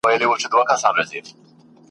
سمدستي سو د خپل پلار مخ ته ور وړاندي `